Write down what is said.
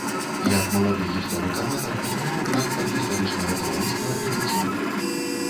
Як малады гісторык-аматар атрымаў грант ад гістарычнага таварыства для вучобы.